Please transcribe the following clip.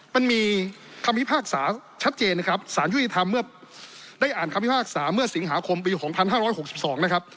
มันมีความวิภาคศาชัดเจนนะครับสารยุทธธรรมเมื่อได้อ่านความวิภาคศาเมื่อสิงหาคมปีของ๑๕๖๒นะครับ